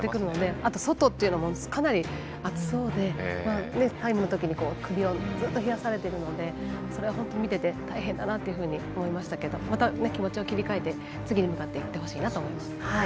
あと、外というのもかなり暑そうでタイムのときに、ずっと首を冷やされているのでそれは本当、見てて大変だなと思いましたけどまた、気持ちを切り替えて次に向かっていってほしいなと思います。